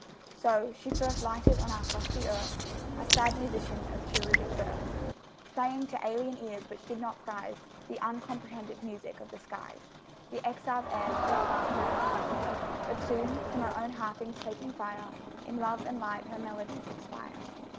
So she first lighted on our frosty earth, A sad musician, of cherubic birth, Playing to alien ears which did not prize The uncomprehended music of the skies The exiled airs of her far Paradise. But soon, from her own harpings taking fire, In love and light her melodies expire.